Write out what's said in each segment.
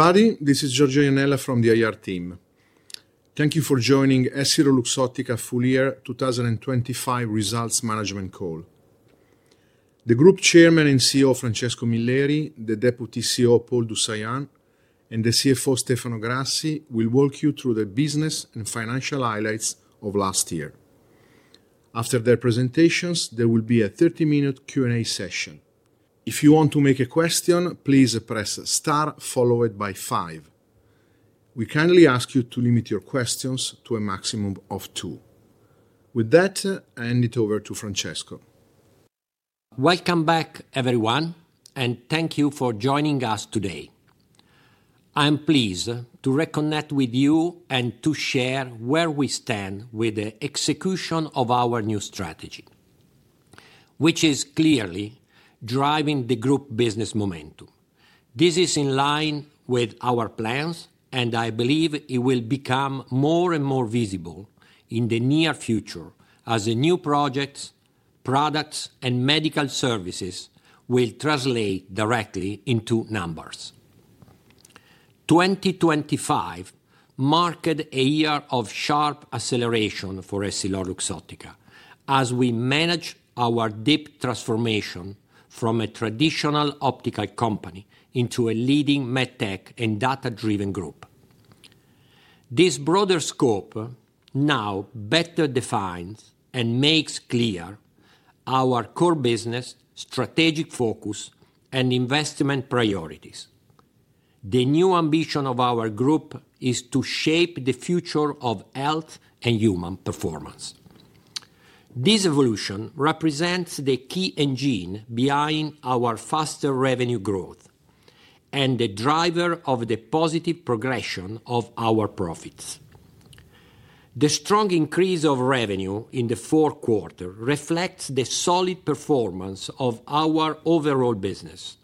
Hi, this is Giorgio Iannella from the IR team. Thank you for joining EssilorLuxottica Full Year 2025 Results Management Call. The group chairman and CEO, Francesco Milleri, the Deputy CEO, Paul du Saillant, and the CFO, Stefano Grassi, will walk you through the business and financial highlights of last year. After their presentations, there will be a 30-minute Q&A session. If you want to make a question, please press star followed by five. We kindly ask you to limit your questions to a maximum of two. With that, I hand it over to Francesco. Welcome back, everyone, and thank you for joining us today. I'm pleased to reconnect with you and to share where we stand with the execution of our new strategy, which is clearly driving the group business momentum. This is in line with our plans, and I believe it will become more and more visible in the near future as the new projects, products, and medical services will translate directly into numbers. 2025 marked a year of sharp acceleration for EssilorLuxottica as we manage our deep transformation from a traditional optical company into a leading MedTech and data-driven group. This broader scope now better defines and makes clear our core business, strategic focus, and investment priorities. The new ambition of our group is to shape the future of health and human performance. This evolution represents the key engine behind our faster revenue growth and the driver of the positive progression of our profits. The strong increase of revenue in the fourth quarter reflects the solid performance of our overall business,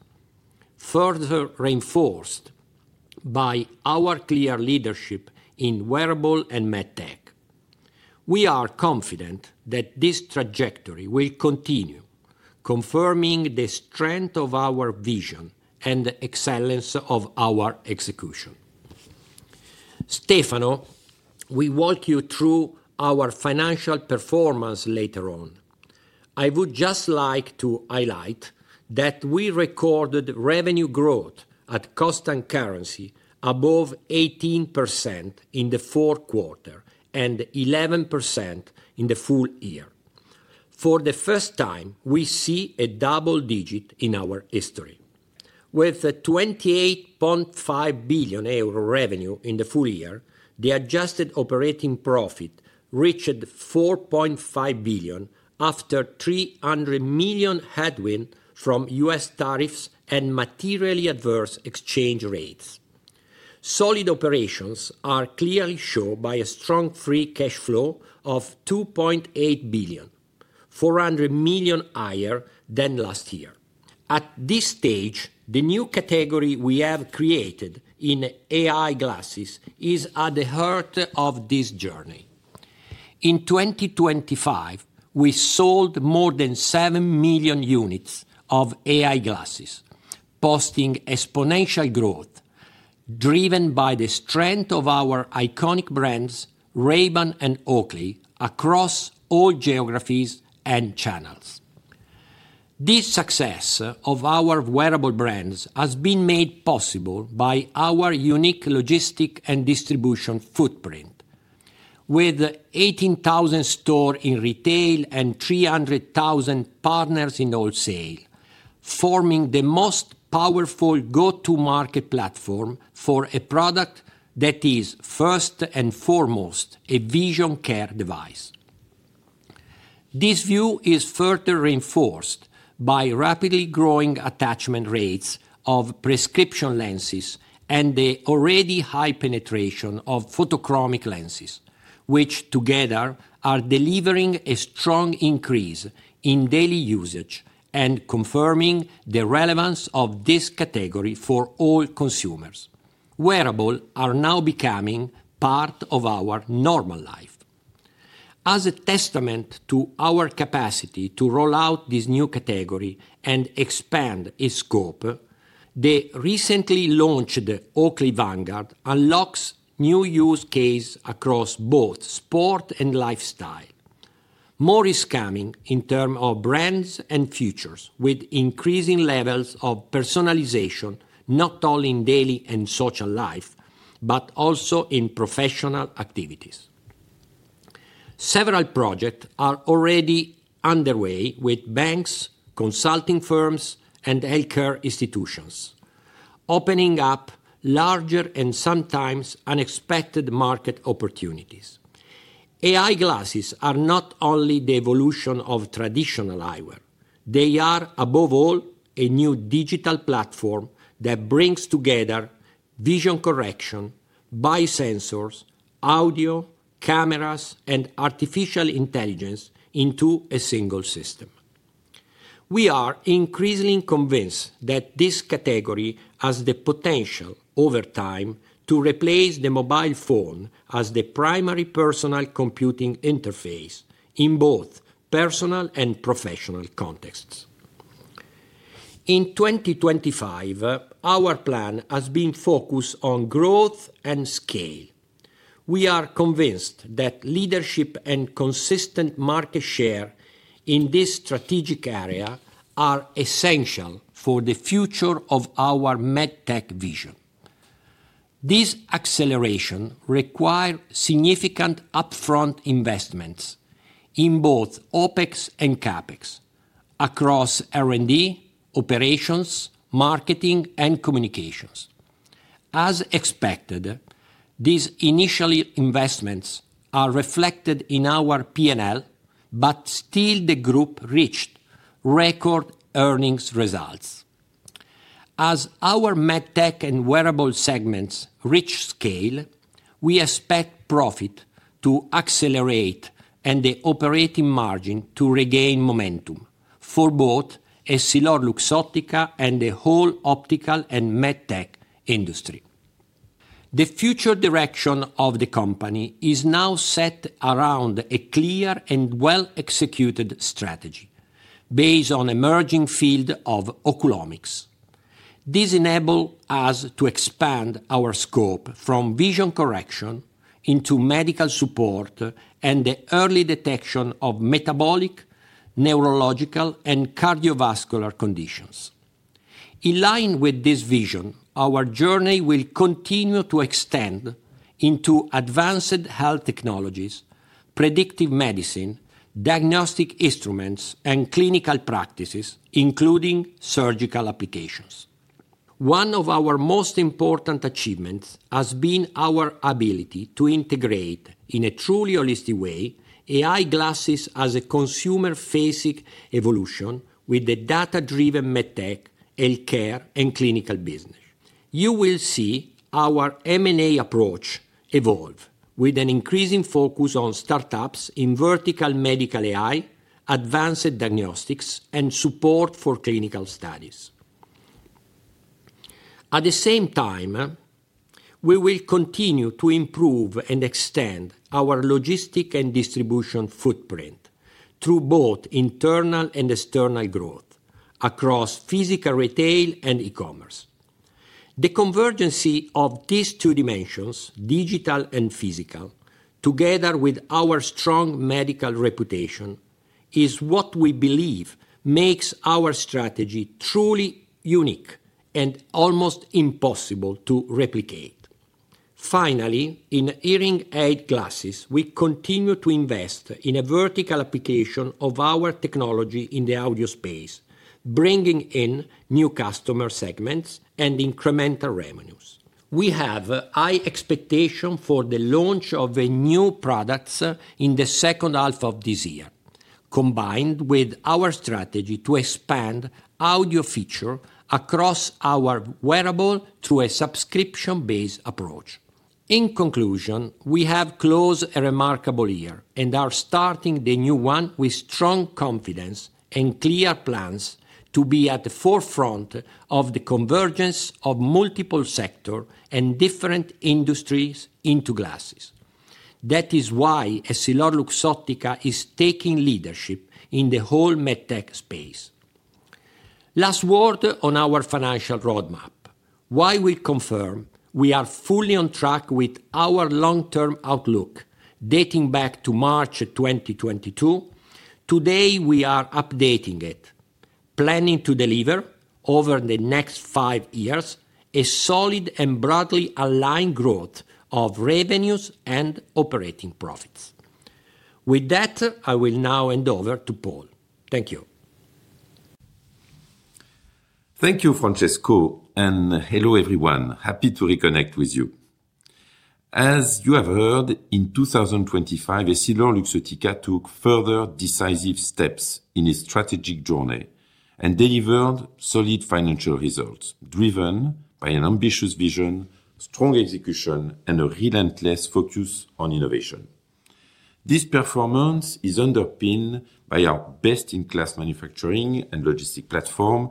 further reinforced by our clear leadership in wearable and MedTech. We are confident that this trajectory will continue, confirming the strength of our vision and the excellence of our execution. Stefano will walk you through our financial performance later on. I would just like to highlight that we recorded revenue growth at cost and currency above 18% in the fourth quarter and 11% in the full year. For the first time, we see a double-digit in our history. With a 28.5 billion euro revenue in the full year, the adjusted operating profit reached 4.5 billion after 300 million headwind from U.S. tariffs and materially adverse exchange rates. Solid operations are clearly shown by a strong free cash flow of 2.8 billion, 400 million higher than last year. At this stage, the new category we have created in AI glasses is at the heart of this journey. In 2025, we sold more than 7 million units of AI glasses, posting exponential growth, driven by the strength of our iconic brands, Ray-Ban and Oakley, across all geographies and channels. This success of our wearable brands has been made possible by our unique logistics and distribution footprint, with 18,000 stores in retail and 300,000 partners in wholesale, forming the most powerful go-to-market platform for a product that is first and foremost a vision care device. This view is further reinforced by rapidly growing attachment rates of prescription lenses and the already high penetration of photochromic lenses, which together are delivering a strong increase in daily usage and confirming the relevance of this category for all consumers. Wearables are now becoming part of our normal life. As a testament to our capacity to roll out this new category and expand its scope, the recently launched Oakley Vanguard unlocks new use cases across both sport and lifestyle. More is coming in terms of brands and features, with increasing levels of personalization, not only in daily and social life, but also in professional activities. Several projects are already underway with banks, consulting firms, and healthcare institutions, opening up larger and sometimes unexpected market opportunities. AI glasses are not only the evolution of traditional eyewear, they are, above all, a new digital platform that brings together vision correction with sensors, audio, cameras, and artificial intelligence into a single system. We are increasingly convinced that this category has the potential over time to replace the mobile phone as the primary personal computing interface in both personal and professional contexts. In 2025, our plan has been focused on growth and scale. We are convinced that leadership and consistent market share in this strategic area are essential for the future of our MedTech vision. This acceleration require significant upfront investments in both OpEx and CapEx across R&D, operations, marketing, and communications. As expected, these initial investments are reflected in our P&L, but still the group reached record earnings results. As our MedTech and wearable segments reach scale, we expect profit to accelerate and the operating margin to regain momentum for both EssilorLuxottica and the whole optical and MedTech industry. The future direction of the company is now set around a clear and well-executed strategy based on emerging field of Oculomics. This enable us to expand our scope from vision correction into medical support and the early detection of metabolic, neurological, and cardiovascular conditions. In line with this vision, our journey will continue to extend into advanced health technologies, predictive medicine, diagnostic instruments, and clinical practices, including surgical applications. One of our most important achievements has been our ability to integrate, in a truly holistic way, AI glasses as a consumer-facing evolution with the data-driven MedTech, healthcare, and clinical business. You will see our M&A approach evolve with an increasing focus on startups in vertical medical AI, advanced diagnostics, and support for clinical studies. At the same time, we will continue to improve and extend our logistics and distribution footprint through both internal and external growth across physical retail and e-commerce. The convergence of these two dimensions, digital and physical, together with our strong medical reputation, is what we believe makes our strategy truly unique and almost impossible to replicate. Finally, in hearing aid glasses, we continue to invest in a vertical application of our technology in the audio space, bringing in new customer segments and incremental revenues. We have high expectation for the launch of the new products in the second half of this year, combined with our strategy to expand audio feature across our wearable through a subscription-based approach. In conclusion, we have closed a remarkable year and are starting the new one with strong confidence and clear plans to be at the forefront of the convergence of multiple sector and different industries into glasses. That is why EssilorLuxottica is taking leadership in the whole MedTech space. Last word on our financial roadmap. While we confirm we are fully on track with our long-term outlook dating back to March 2022, today we are updating it, planning to deliver over the next 5 years a solid and broadly aligned growth of revenues and operating profits. With that, I will now hand over to Paul. Thank you. Thank you, Francesco, and hello, everyone. Happy to reconnect with you. As you have heard, in 2025, EssilorLuxottica took further decisive steps in its strategic journey and delivered solid financial results, driven by an ambitious vision, strong execution, and a relentless focus on innovation. This performance is underpinned by our best-in-class manufacturing and logistic platform,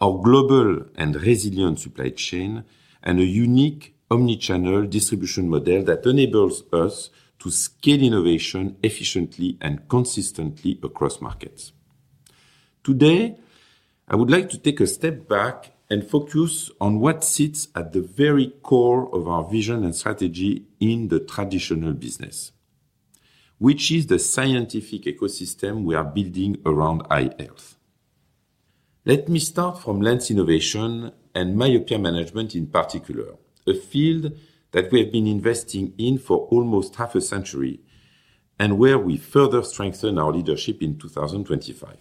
our global and resilient supply chain, and a unique omni-channel distribution model that enables us to scale innovation efficiently and consistently across markets. Today, I would like to take a step back and focus on what sits at the very core of our vision and strategy in the traditional business, which is the scientific ecosystem we are building around eye health. Let me start from lens innovation and myopia management, in particular, a field that we have been investing in for almost half a century, and where we further strengthened our leadership in 2025.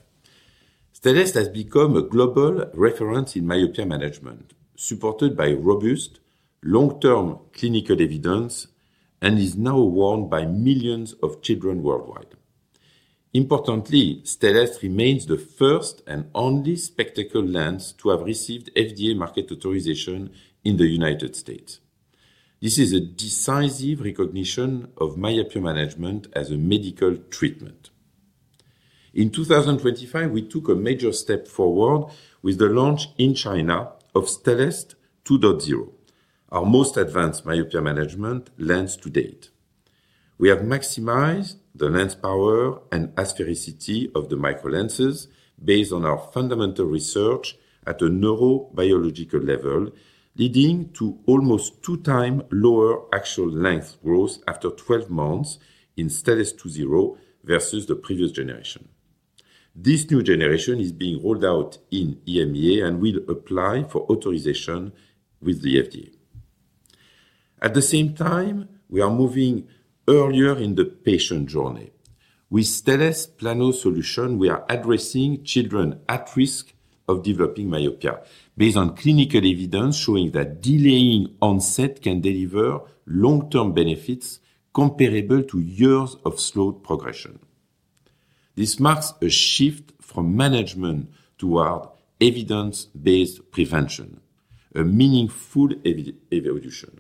Stellest has become a global reference in myopia management, supported by robust, long-term clinical evidence, and is now worn by millions of children worldwide. Importantly, Stellest remains the first and only spectacle lens to have received FDA market authorization in the United States. This is a decisive recognition of myopia management as a medical treatment. In 2025, we took a major step forward with the launch in China of Stellest 2.0, our most advanced myopia management lens to date.... We have maximized the lens power and asphericity of the microlenses based on our fundamental research at a neurobiological level, leading to almost two times lower actual length growth after 12 months in Stellest 2.0 versus the previous generation. This new generation is being rolled out in EMEA and will apply for authorization with the FDA. At the same time, we are moving earlier in the patient journey. With Stellest plano solution, we are addressing children at risk of developing myopia, based on clinical evidence showing that delaying onset can deliver long-term benefits comparable to years of slow progression. This marks a shift from management toward evidence-based prevention, a meaningful evolution.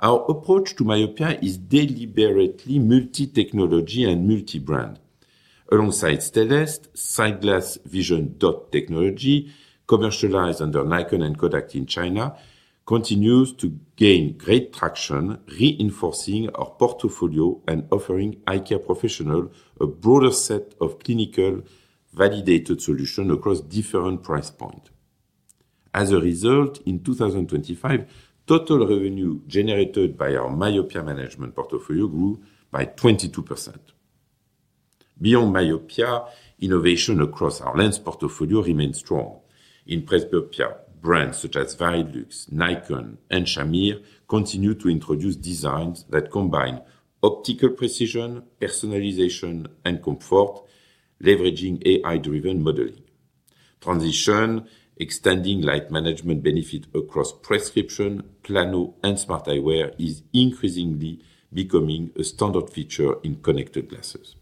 Our approach to myopia is deliberately multi-technology and multi-brand. Alongside Stellest, SightGlass Vision DOT technology, commercialized under Nikon and Kodak in China, continues to gain great traction, reinforcing our portfolio and offering eye care professionals a broader set of clinically validated solutions across different price points. As a result, in 2025, total revenue generated by our myopia management portfolio grew by 22%. Beyond myopia, innovation across our lens portfolio remains strong. In presbyopia, brands such as Varilux, Nikon, and Shamir continue to introduce designs that combine optical precision, personalization, and comfort, leveraging AI-driven modeling. Transitions, extending light management benefits across prescription, plano, and smart eyewear, is increasingly becoming a standard feature in connected glasses.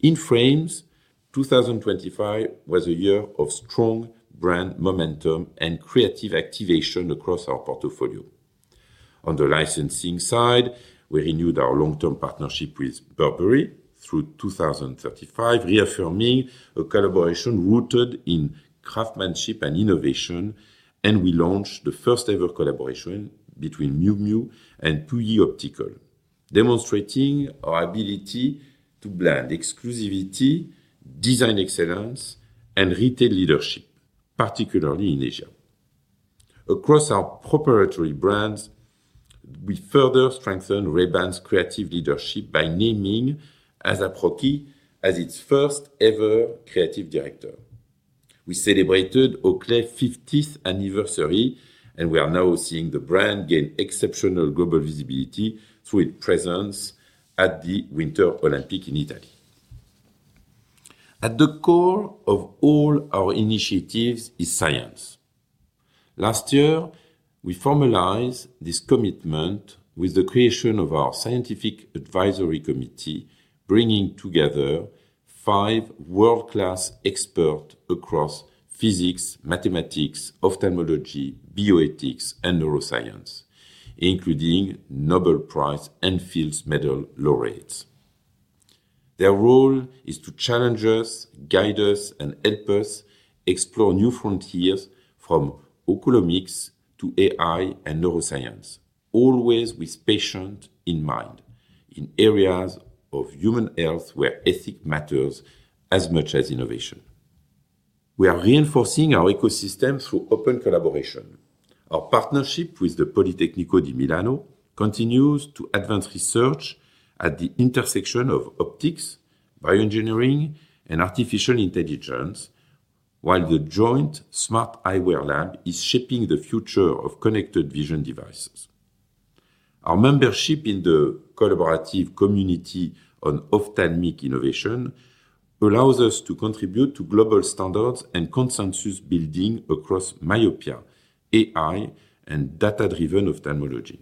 In frames, 2025 was a year of strong brand momentum and creative activation across our portfolio. On the licensing side, we renewed our long-term partnership with Burberry through 2035, reaffirming a collaboration rooted in craftsmanship and innovation, and we launched the first-ever collaboration between Miu Miu and Puyi Optical, demonstrating our ability to blend exclusivity, design excellence, and retail leadership, particularly in Asia. Across our proprietary brands, we further strengthened Ray-Ban's creative leadership by naming A$AP Rocky as its first-ever creative director. We celebrated Oakley's 50th anniversary, and we are now seeing the brand gain exceptional global visibility through its presence at the Winter Olympics in Italy. At the core of all our initiatives is science. Last year, we formalized this commitment with the creation of our scientific advisory committee, bringing together five world-class experts across physics, mathematics, ophthalmology, bioethics, and neuroscience, including Nobel Prize and Fields Medal laureates. Their role is to challenge us, guide us, and help us explore new frontiers from oculomics to AI and neuroscience, always with patient in mind, in areas of human health where ethics matters as much as innovation. We are reinforcing our ecosystem through open collaboration. Our partnership with the Politecnico di Milano continues to advance research at the intersection of optics, bioengineering, and artificial intelligence, while the joint smart eyewear lab is shaping the future of connected vision devices. Our membership in the collaborative community on ophthalmic innovation allows us to contribute to global standards and consensus building across myopia, AI, and data-driven ophthalmology.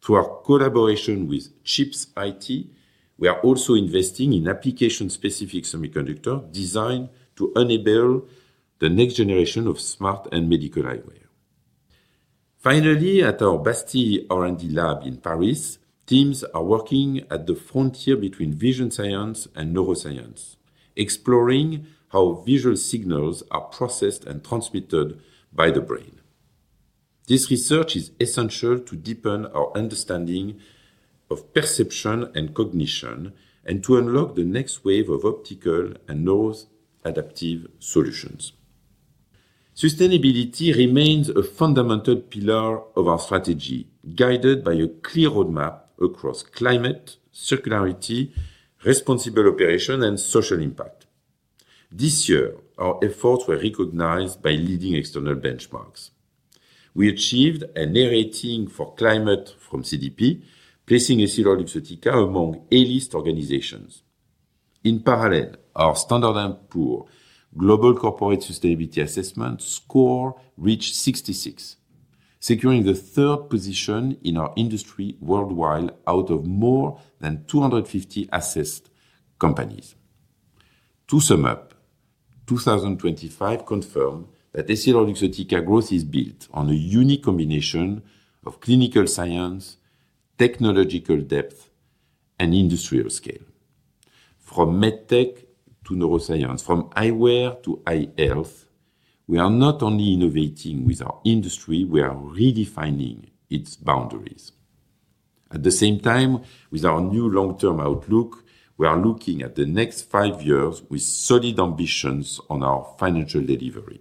Through our collaboration with Chips.IT, we are also investing in application-specific semiconductor designed to enable the next generation of smart and medical eyewear. Finally, at our Bastille R&D Lab in Paris, teams are working at the frontier between vision science and neuroscience, exploring how visual signals are processed and transmitted by the brain. This research is essential to deepen our understanding of perception and cognition and to unlock the next wave of optical and neuroadaptive solutions. Sustainability remains a fundamental pillar of our strategy, guided by a clear roadmap across climate, circularity, responsible operation, and social impact. This year, our efforts were recognized by leading external benchmarks. We achieved an A rating for climate from CDP, placing EssilorLuxottica among A-list organizations. In parallel, our S&P Global Corporate Sustainability Assessment score reached 66, securing the third position in our industry worldwide out of more than 250 assessed companies. To sum up, 2025 confirmed that EssilorLuxottica growth is built on a unique combination of clinical science, technological depth, and industrial scale. From med tech to neuroscience, from eyewear to eye health, we are not only innovating with our industry, we are redefining its boundaries. At the same time, with our new long-term outlook, we are looking at the next five years with solid ambitions on our financial delivery.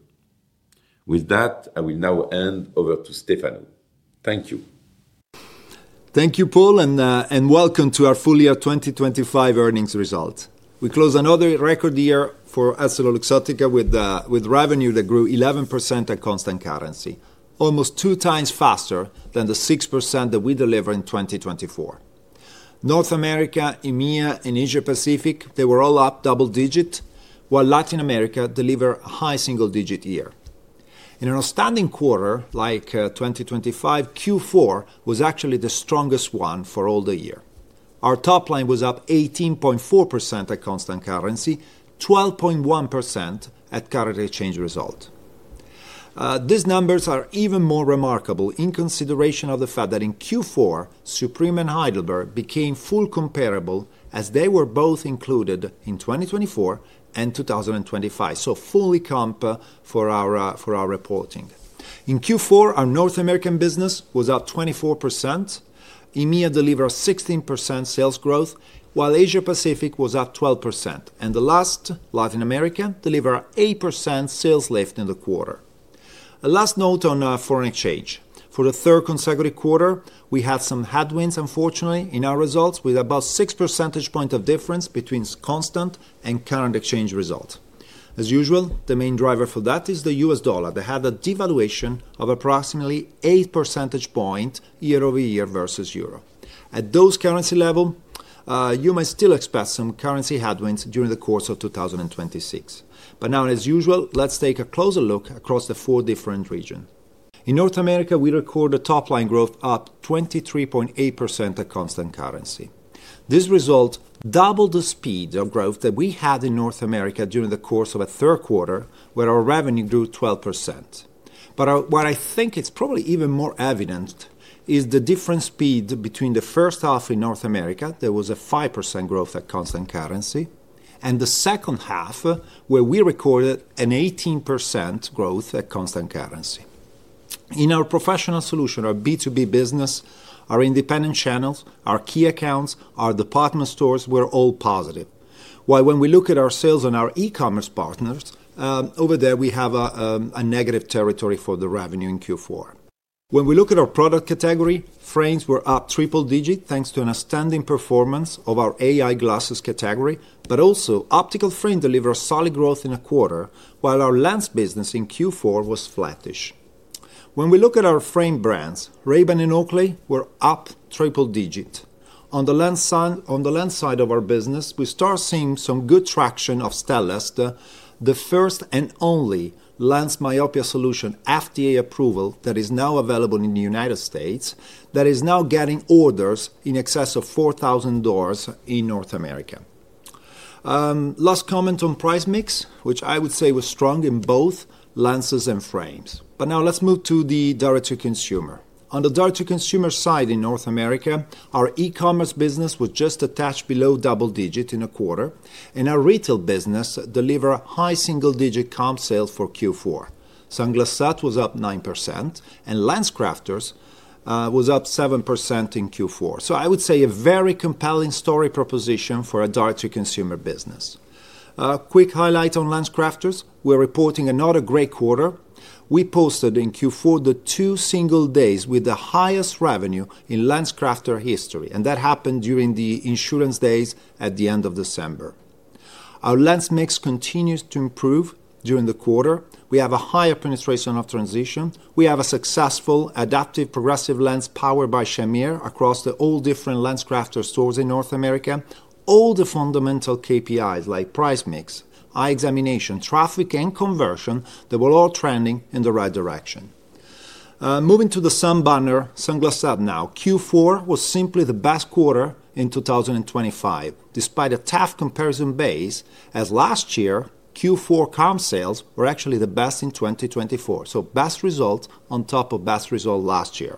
With that, I will now hand over to Stefano. Thank you. Thank you, Paul, and welcome to our full year 2025 earnings results. We close another record year for EssilorLuxottica with revenue that grew 11% at constant currency, almost 2 times faster than the 6% that we delivered in 2024. North America, EMEA, and Asia-Pacific, they were all up double-digit, while Latin America deliver high single-digit year. In an outstanding quarter like 2025, Q4 was actually the strongest one for all the year. Our top line was up 18.4% at constant currency, 12.1% at currency exchange result. These numbers are even more remarkable in consideration of the fact that in Q4, Supreme and Heidelberg became full comparable as they were both included in 2024 and 2025, so fully comp for our reporting. In Q4, our North American business was up 24%. EMEA delivered 16% sales growth, while Asia-Pacific was up 12%, and the last, Latin America, deliver 8% sales lift in the quarter. A last note on foreign exchange. For the third consecutive quarter, we had some headwinds, unfortunately, in our results, with about 6 percentage point of difference between constant and current exchange result. As usual, the main driver for that is the US dollar. They had a devaluation of approximately 8 percentage point year-over-year versus euro. At those currency level, you may still expect some currency headwinds during the course of 2026. But now, as usual, let's take a closer look across the four different region. In North America, we recorded a top-line growth up 23.8% at constant currency. This result doubled the speed of growth that we had in North America during the course of the third quarter, where our revenue grew 12%. But, what I think it's probably even more evident is the different speed between the first half in North America, there was a 5% growth at constant currency, and the second half, where we recorded an 18% growth at constant currency. In our Professional solution, our B2B business, our independent channels, our key accounts, our department stores were all positive. While when we look at our sales and our e-commerce partners, over there, we have a, a negative territory for the revenue in Q4. When we look at our product category, frames were up triple-digit, thanks to an outstanding performance of our AI glasses category, but also optical frame deliver solid growth in a quarter, while our lens business in Q4 was flattish. When we look at our frame brands, Ray-Ban and Oakley were up triple-digit. On the lens side, on the lens side of our business, we start seeing some good traction of Stellest, the first and only lens myopia solution FDA approval that is now available in the United States, that is now getting orders in excess of $4,000 in North America. Last comment on price mix, which I would say was strong in both lenses and frames. But now let's move to the direct-to-consumer. On the direct-to-consumer side in North America, our e-commerce business was just attached below double-digit in a quarter, and our retail business deliver a high single-digit comp sale for Q4. Sunglass Hut was up 9%, and LensCrafters was up 7% in Q4. So I would say a very compelling story proposition for a direct-to-consumer business. Quick highlight on LensCrafters. We're reporting another great quarter. We posted in Q4, the 2 single days with the highest revenue in LensCrafters history, and that happened during the insurance days at the end of December. Our lens mix continues to improve during the quarter. We have a higher penetration of Transitions. We have a successful adaptive progressive lens powered by Shamir across all the different LensCrafters stores in North America. All the fundamental KPIs, like price mix, eye examination, traffic, and conversion, they were all trending in the right direction. Moving to the Sunglass Hut banner now. Q4 was simply the best quarter in 2025, despite a tough comparison base, as last year, Q4 comp sales were actually the best in 2024. So best result on top of best result last year.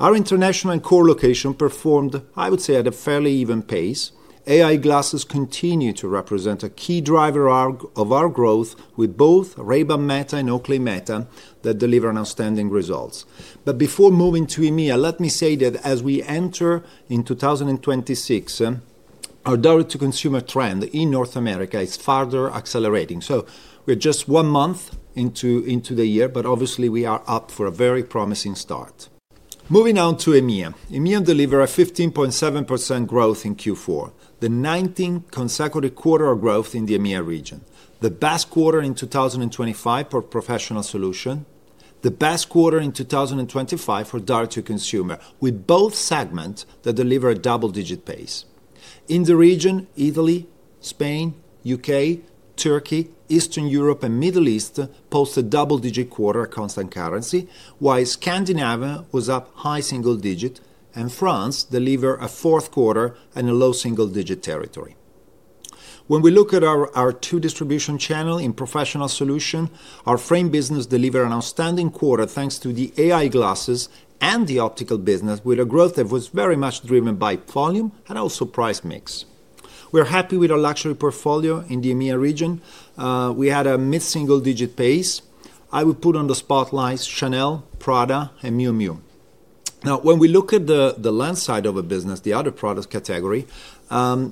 Our international and core location performed, I would say, at a fairly even pace. AI glasses continue to represent a key driver of our growth with both Ray-Ban Meta and Oakley Meta that deliver an outstanding results. But before moving to EMEA, let me say that as we enter in 2026, our direct-to-consumer trend in North America is further accelerating. So we're just one month into, into the year, but obviously, we are up for a very promising start. Moving on to EMEA. EMEA delivered a 15.7% growth in Q4, the nineteenth consecutive quarter of growth in the EMEA region, the best quarter in 2025 for Professional solution, the best quarter in 2025 for direct-to-consumer, with both segments that delivered a double-digit pace. In the region, Italy, Spain, UK, Turkey, Eastern Europe, and Middle East posted double-digit quarter constant currency, while Scandinavia was up high single-digit, and France delivered a fourth quarter and a low single-digit territory. When we look at our two distribution channels in Professional solution, our frame business delivered an outstanding quarter, thanks to the AI glasses and the optical business, with a growth that was very much driven by volume and also Price mix. We're happy with our luxury portfolio in the EMEA region. We had a mid-single-digit pace. I would put on the spotlights Chanel, Prada, and Miu Miu. Now, when we look at the lens side of a business, the other product category,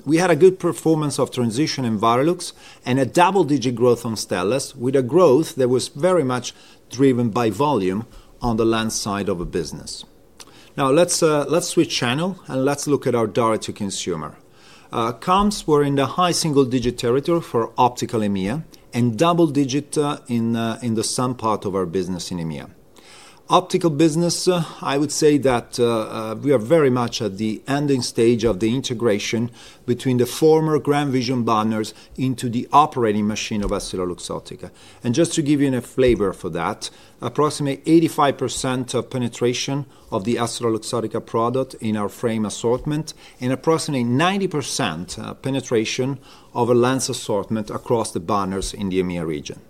we had a good performance of Transitions in Varilux and a double-digit growth on Stellest, with a growth that was very much driven by volume on the lens side of a business. Now, let's switch channel, and let's look at our direct-to-consumer. Comps were in the high single-digit territory for optical EMEA, and double digit in some part of our business in EMEA. Optical business, I would say that we are very much at the ending stage of the integration between the former GrandVision banners into the operating machine of EssilorLuxottica. Just to give you a flavor for that, approximately 85% penetration of the EssilorLuxottica product in our frame assortment and approximately 90%, penetration of a lens assortment across the banners in the EMEA region.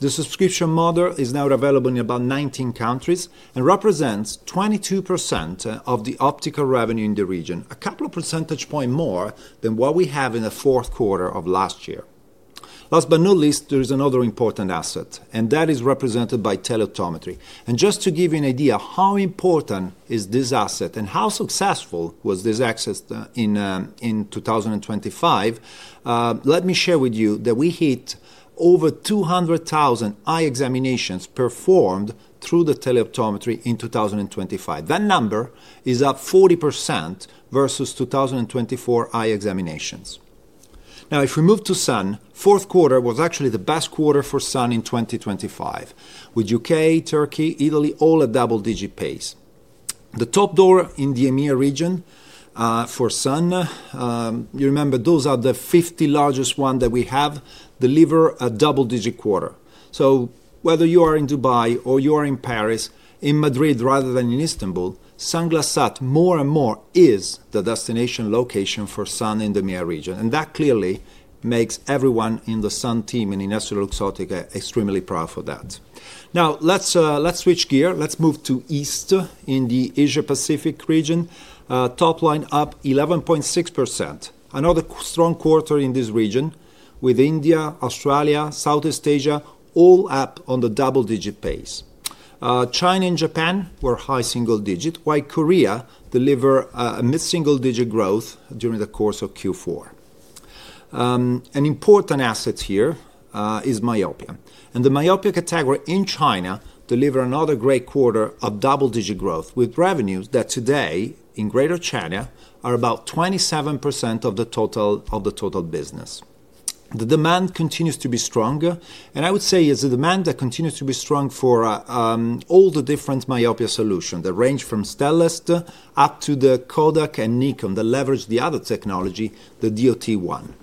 The subscription model is now available in about 19 countries and represents 22% of the optical revenue in the region, a couple of percentage point more than what we have in the fourth quarter of last year. Last but not least, there is another important asset, and that is represented by teleoptometry. Just to give you an idea how important is this asset and how successful was this access, in 2025, let me share with you that we hit over 200,000 eye examinations performed through the teleoptometry in 2025. That number is up 40% versus 2024 eye examinations. Now, if we move to Sun, fourth quarter was actually the best quarter for Sun in 2025, with U.K., Turkey, Italy, all at double-digit pace. The top door in the EMEA region, for Sun, you remember, those are the 50 largest one that we have, deliver a double-digit quarter. So whether you are in Dubai or you are in Paris, in Madrid rather than in Istanbul, Sunglass Hut more and more is the destination location for Sun in the EMEA region, and that clearly makes everyone in the Sun team and in EssilorLuxottica extremely proud for that. Now, let's, let's switch gear. Let's move to East in the Asia-Pacific region. Top line up 11.6%. Another strong quarter in this region, with India, Australia, Southeast Asia, all up on the double-digit pace. China and Japan were high single-digit, while Korea deliver a mid-single-digit growth during the course of Q4. An important asset here is myopia, and the myopia category in China deliver another great quarter of double-digit growth, with revenues that today, in Greater China, are about 27% of the total, of the total business. The demand continues to be strong, and I would say it's the demand that continues to be strong for all the different myopia solution, that range from Stellest up to the Kodak and Nikon, that leverage the other technology, the DOT one.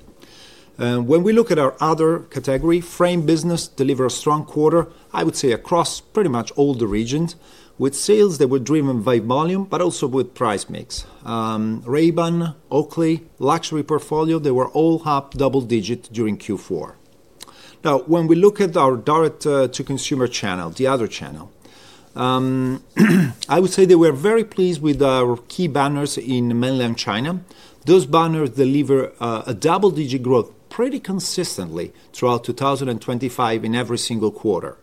When we look at our other category, frame business deliver a strong quarter, I would say, across pretty much all the regions, with sales that were driven by volume, but also with price mix. Ray-Ban, Oakley, luxury portfolio, they were all up double-digit during Q4. Now, when we look at our direct to consumer channel, the other channel, I would say that we're very pleased with our key banners in mainland China. Those banners deliver a double-digit growth pretty consistently throughout 2025 in every single quarter.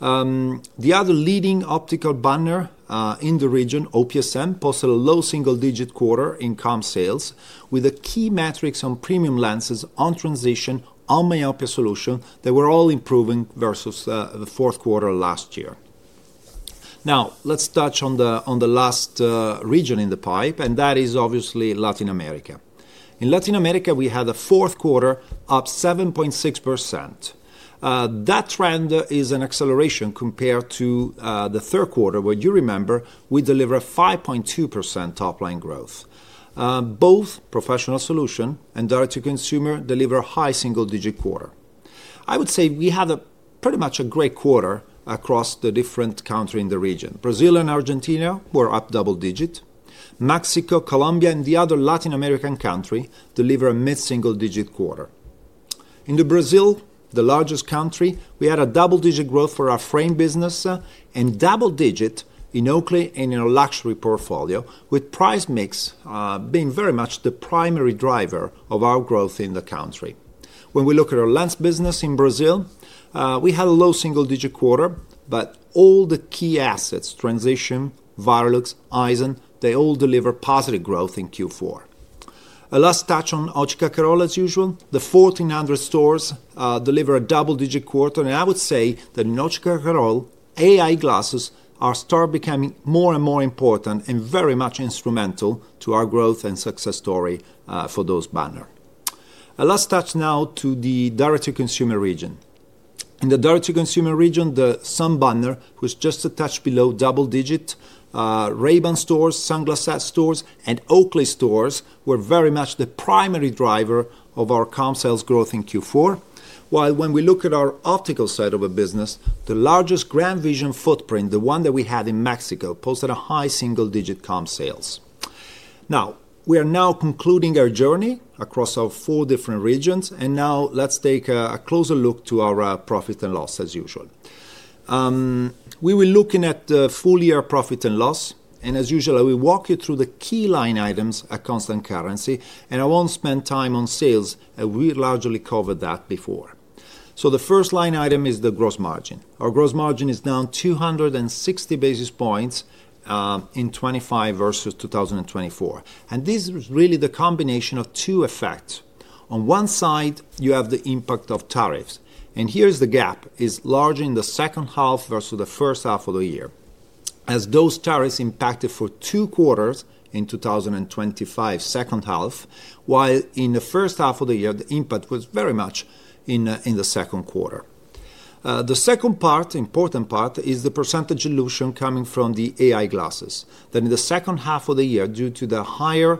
The other leading optical banner in the region, OPSM, posted a low single-digit quarter in comp sales, with key metrics on premium lenses, on Transitions, on myopia solution, they were all improving versus the fourth quarter last year. Now, let's touch on the last region in the pipeline, and that is obviously Latin America. In Latin America, we had a fourth quarter up 7.6%. That trend is an acceleration compared to the third quarter, where you remember, we delivered a 5.2% top line growth. Both Professional solution and direct to consumer deliver high single-digit quarter. I would say we had pretty much a great quarter across the different country in the region. Brazil and Argentina were up double-digit. Mexico, Colombia, and the other Latin American country deliver a mid-single-digit quarter. In Brazil, the largest country, we had a double-digit growth for our frame business and double-digit in Oakley and in our luxury portfolio, with price mix being very much the primary driver of our growth in the country. When we look at our lens business in Brazil, we had a low single-digit quarter, but all the key assets, Transitions, Varilux, Eyezen, they all deliver positive growth in Q4. A last touch on Óptica Carol, as usual. The 1,400 stores deliver a double-digit quarter, and I would say that in Óptica Carol, AI glasses are start becoming more and more important and very much instrumental to our growth and success story for those banner. A last touch now to the direct-to-consumer region. In the direct-to-consumer region, the Sunglass Hut banner, who's just a touch below double digit, Ray-Ban stores, Sunglass Hut stores, and Oakley stores were very much the primary driver of our comp sales growth in Q4. While when we look at our optical side of a business, the largest GrandVision footprint, the one that we had in Mexico, posted high single-digit comp sales. Now, we are now concluding our journey across our four different regions, and now let's take a closer look to our profit and loss as usual. We were looking at the full year profit and loss, and as usual, I will walk you through the key line items at constant currency, and I won't spend time on sales, we largely covered that before. So the first line item is the gross margin. Our gross margin is down 260 basis points in 2025 versus 2024. And this is really the combination of two effects. On one side, you have the impact of tariffs, and here is the gap, is large in the second half versus the first half of the year, as those tariffs impacted for two quarters in 2025 second half, while in the first half of the year, the impact was very much in the second quarter. The second part, important part, is the percentage dilution coming from the AI glasses. That in the second half of the year, due to the higher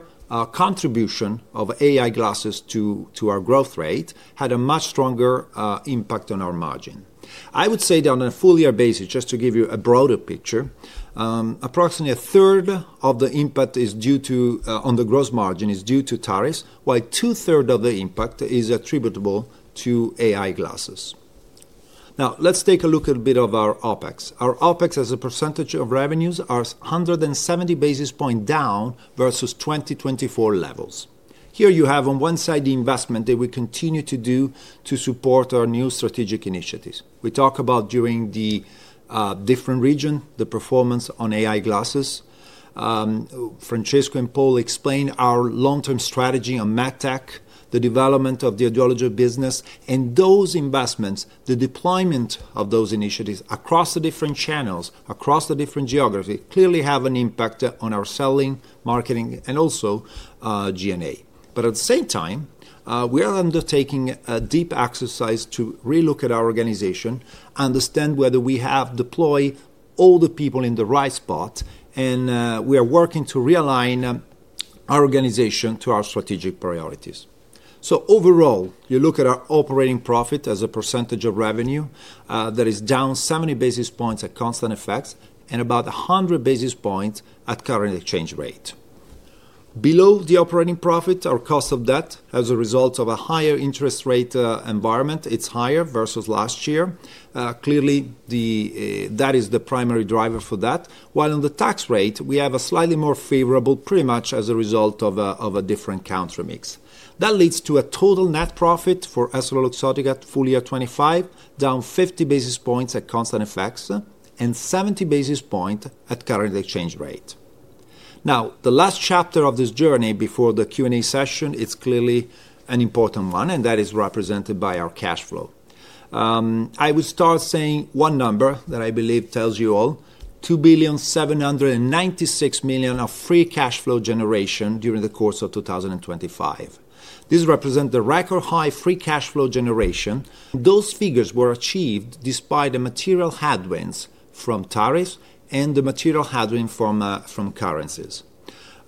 contribution of AI glasses to our growth rate, had a much stronger impact on our margin. I would say that on a full year basis, just to give you a broader picture, approximately a third of the impact is due to, on the gross margin, is due to tariffs, while two-thirds of the impact is attributable to AI glasses. Now, let's take a look at a bit of our OpEx. Our OpEx, as a percentage of revenues, are 170 basis points down versus 2024 levels. Here you have, on one side, the investment that we continue to do to support our new strategic initiatives. We talk about during the different region, the performance on AI glasses. Francesco and Paul explained our long-term strategy on MedTech, the development of the audiology of business, and those investments, the deployment of those initiatives across the different channels, across the different geography, clearly have an impact on our selling, marketing, and also, G&A. But at the same time, we are undertaking a deep exercise to relook at our organization, understand whether we have deployed all the people in the right spot, and, we are working to realign, our organization to our strategic priorities. So overall, you look at our operating profit as a percentage of revenue, that is down 70 basis points at constant effects and about 100 basis points at current exchange rate. Below the operating profit, our cost of debt, as a result of a higher interest rate, environment, it's higher versus last year. Clearly, the, that is the primary driver for that. While on the tax rate, we have a slightly more favorable, pretty much as a result of a, of a different country mix. That leads to a total net profit for EssilorLuxottica full year 2025, down 50 basis points at constant effects and 70 basis point at current exchange rate. Now, the last chapter of this journey before the Q&A session is clearly an important one, and that is represented by our cash flow. I will start saying one number that I believe tells you all, 2,796 million of free cash flow generation during the course of 2025. This represent the record high free cash flow generation. Those figures were achieved despite the material headwinds from tariffs and the material headwind from currencies.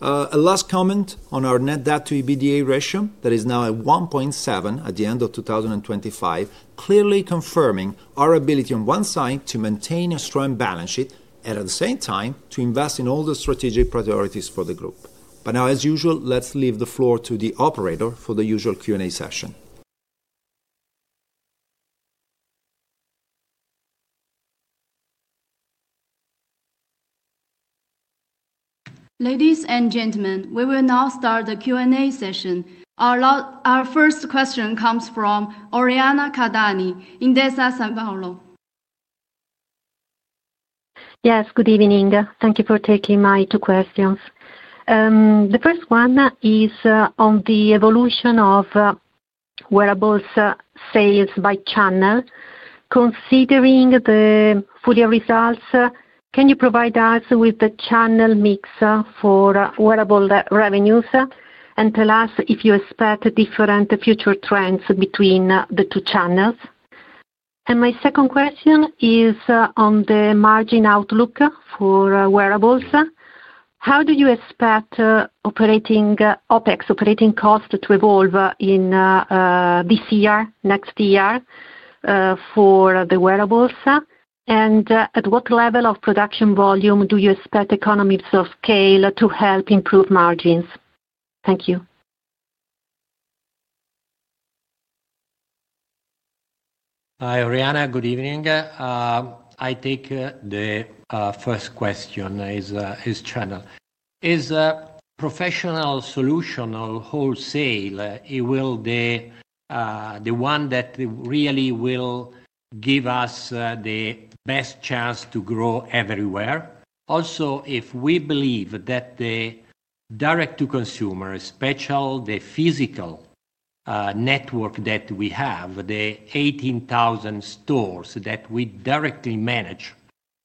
A last comment on our net debt to EBITDA ratio, that is now at 1.7 at the end of 2025, clearly confirming our ability on one side to maintain a strong balance sheet and at the same time to invest in all the strategic priorities for the group. But now, as usual, let's leave the floor to the operator for the usual Q&A session. Ladies and gentlemen, we will now start the Q&A session. Our first question comes from Oriana Calvani, Intesa Sanpaolo. Yes, good evening. Thank you for taking my two questions. The first one is on the evolution of wearables sales by channel. Considering the full year results, can you provide us with the channel mix for wearable revenues, and tell us if you expect different future trends between the two channels? And my second question is on the margin outlook for wearables. How do you expect operating OpEx operating costs to evolve in this year, next year for the wearables? And at what level of production volume do you expect economies of scale to help improve margins? Thank you. Hi, Oriana, good evening. I take the first question is channel. Is professional solution on wholesale, it will be the one that really will give us the best chance to grow everywhere. Also, if we believe that the direct to consumer, especially the physical network that we have, the 18,000 stores that we directly manage,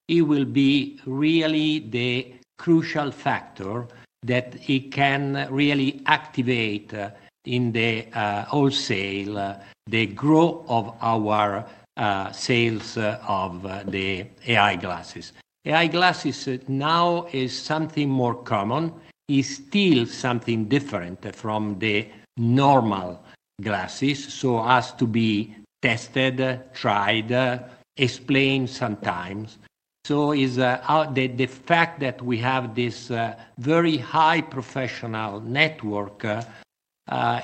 it will be really the crucial factor that it can really activate in the wholesale the growth of our sales of the AI glasses. AI glasses now is something more common, is still something different from the normal glasses, so has to be tested, tried, explained sometimes. ...so is out the fact that we have this very high professional network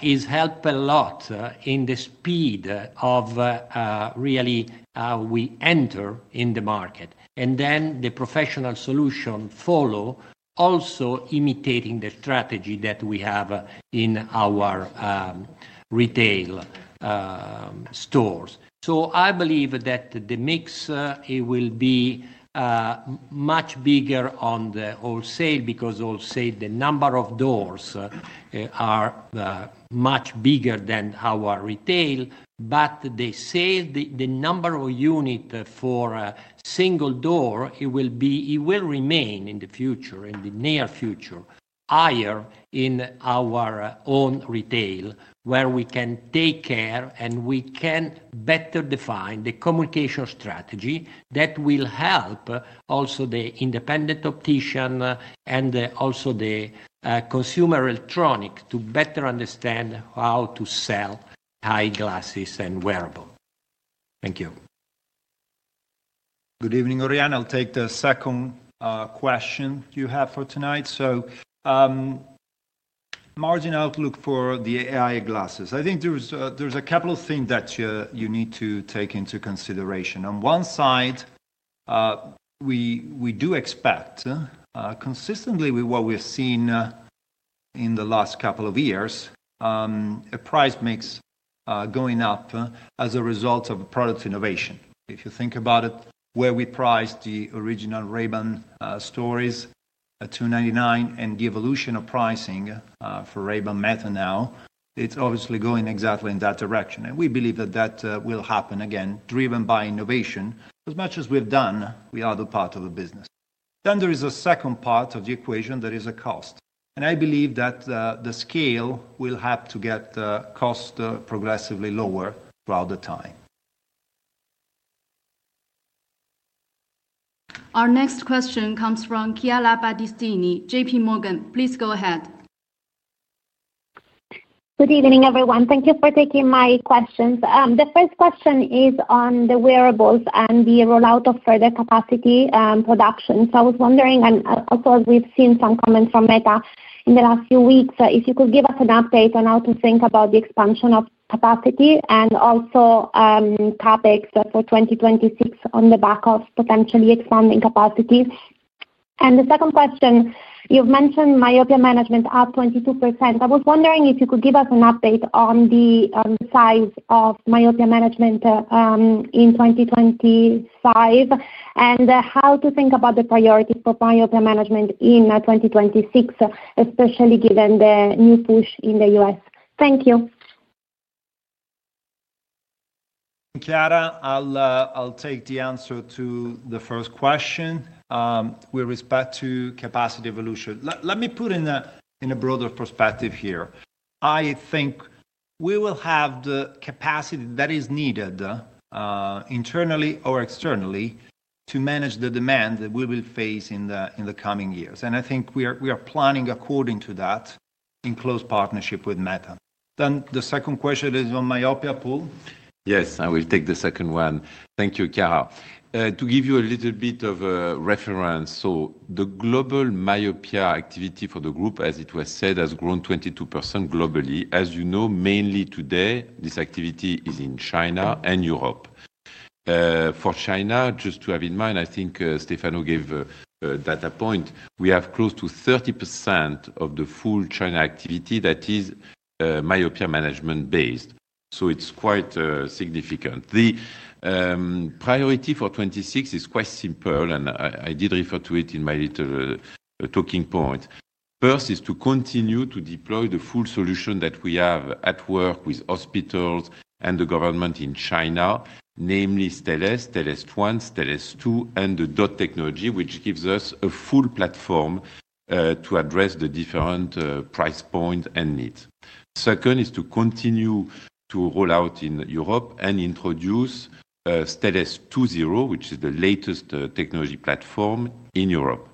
is help a lot in the speed of really we enter in the market. And then the Professional solution follow, also imitating the strategy that we have in our retail stores. So I believe that the mix it will be much bigger on the wholesale, because wholesale, the number of doors are much bigger than our retail. But the sale, the number of unit for single door, it will remain in the future, in the near future, higher in our own retail, where we can take care, and we can better define the communication strategy that will help also the independent optician, and also the consumer electronic to better understand how to sell eyeglasses and wearable. Thank you. Good evening, Oriana. I'll take the second question you have for tonight. So, margin outlook for the AI glasses. I think there is a, there's a couple of things that you, you need to take into consideration. On one side, we do expect, consistently with what we've seen, in the last couple of years, a price mix going up, as a result of product innovation. If you think about it, where we priced the original Ray-Ban Stories at $299, and the evolution of pricing, for Ray-Ban Meta now, it's obviously going exactly in that direction, and we believe that that will happen again, driven by innovation. As much as we've done, we are the part of the business. Then there is a second part of the equation, there is a cost. I believe that the scale will have to get cost progressively lower throughout the time. Our next question comes from Chiara Battistini, JP Morgan. Please go ahead. Good evening, everyone. Thank you for taking my questions. The first question is on the wearables and the rollout of further capacity, production. So I was wondering, and also as we've seen some comments from Meta in the last few weeks, if you could give us an update on how to think about the expansion of capacity and also, topics for 2026 on the back of potentially expanding capacity. And the second question, you've mentioned myopia management up 22%. I was wondering if you could give us an update on the, size of myopia management, in 2025, and, how to think about the priorities for myopia management in, 2026, especially given the new push in the U.S. Thank you. Chiara, I'll take the answer to the first question, with respect to capacity evolution. Let me put it in a broader perspective here. I think we will have the capacity that is needed, internally or externally, to manage the demand that we will face in the coming years. And I think we are planning according to that in close partnership with Meta. Then the second question is on myopia, Paul? Yes, I will take the second one. Thank you, Chiara. To give you a little bit of a reference, so the global myopia activity for the group, as it was said, has grown 22% globally. As you know, mainly today, this activity is in China and Europe. For China, just to have in mind, I think, Stefano gave a data point. We have close to 30% of the full China activity that is myopia management based, so it's quite significant. The priority for 2026 is quite simple, and I did refer to it in my little talking point. First is to continue to deploy the full solution that we have at work with hospitals and the government in China, namely Stellest, Stellest One, Stellest Two, and the DOT technology, which gives us a full platform to address the different price point and needs. Second is to continue to roll out in Europe and introduce Stellest 2.0, which is the latest technology platform in Europe.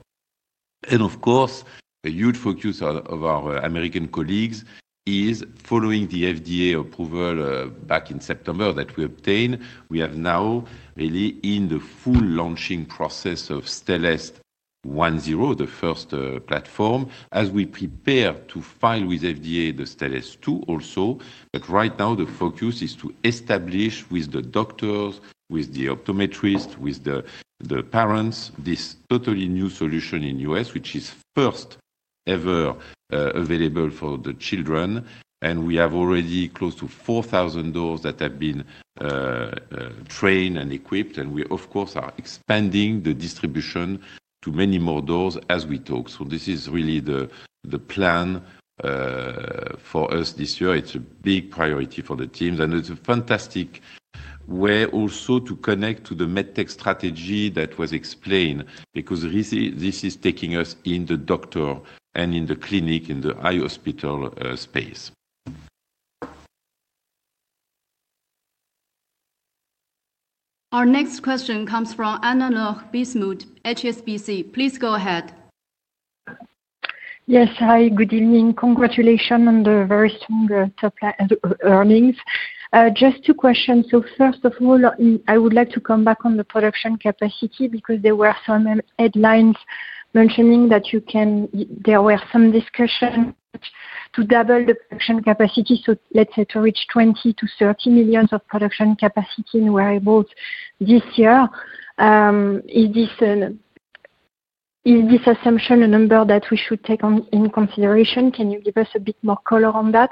And of course, a huge focus of our American colleagues is following the FDA approval back in September that we obtained. We are now really in the full launching process of Stellest 1.0, the first platform, as we prepare to file with FDA the Stellest Two also. But right now the focus is to establish with the doctors, with the optometrists, with the parents, this totally new solution in U.S., which is first ever available for the children, and we have already close to 4,000 doors that have been trained and equipped, and we, of course, are expanding the distribution to many more doors as we talk. So this is really the plan for us this year. It's a big priority for the teams, and it's a fantastic way also to connect to the MedTech strategy that was explained, because this is taking us in the doctor and in the clinic, in the eye hospital space. Our next question comes from Anne-Laure Bismuth, HSBC. Please go ahead.... Yes. Hi, good evening. Congratulations on the very strong top line earnings. Just two questions. So first of all, I would like to come back on the production capacity, because there were some headlines mentioning that there were some discussion to double the production capacity, so let's say to reach 20-30 million of production capacity in wearables this year. Is this an assumption a number that we should take on in consideration? Can you give us a bit more color on that?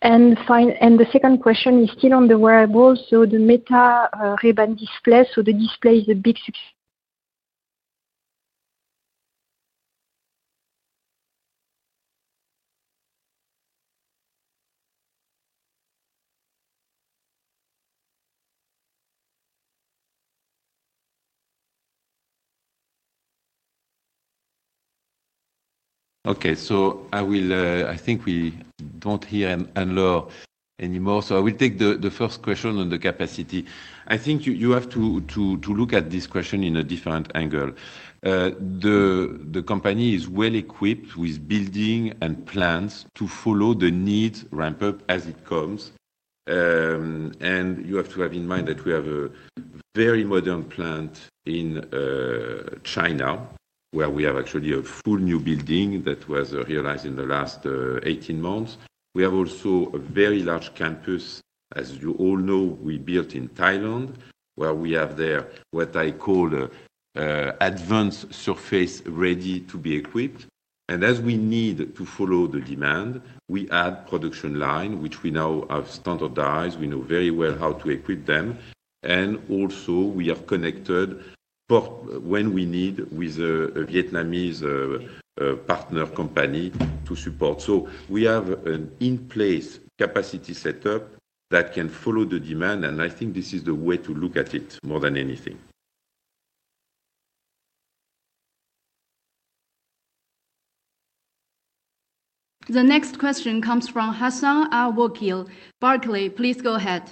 And finally, and the second question is still on the wearables, so the Meta Ray-Ban Display, so the display is a big success- Okay, so I will, I think we don't hear Anne Laure anymore, so I will take the first question on the capacity. I think you have to look at this question in a different angle. The company is well equipped with building and plans to follow the need ramp up as it comes. And you have to have in mind that we have a very modern plant in China, where we have actually a full new building that was realized in the last 18 months. We have also a very large campus, as you all know, we built in Thailand, where we have there, what I call, advanced surface, ready to be equipped. And as we need to follow the demand, we add production line, which we now have standardized. We know very well how to equip them, and also we have connected for when we need with a Vietnamese partner company to support. So we have an in-place capacity setup that can follow the demand, and I think this is the way to look at it more than anything. The next question comes from Hassan Al-Wakeel, Barclays. Please go ahead.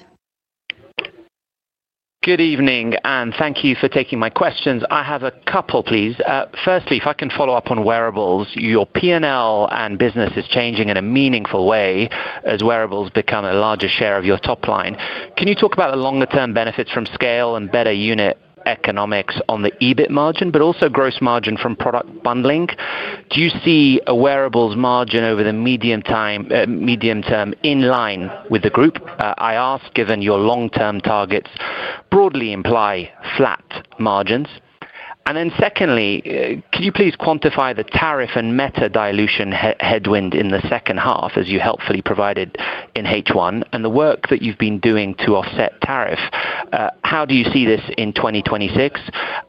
Good evening, and thank you for taking my questions. I have a couple, please. Firstly, if I can follow up on wearables, your P&L and business is changing in a meaningful way as wearables become a larger share of your top line. Can you talk about the longer term benefits from scale and better unit economics on the EBIT margin, but also gross margin from product bundling? Do you see a wearables margin over the medium time, medium term in line with the group? I ask, given your long-term targets broadly imply flat margins. Secondly, can you please quantify the tariff and Meta dilution headwind in the second half, as you helpfully provided in H1, and the work that you've been doing to offset tariff? How do you see this in 2026,